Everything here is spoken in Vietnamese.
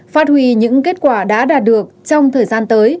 phát huy những kết quả đã đạt được trong thời gian tới